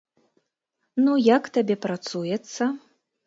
Ну, як табе працуецца?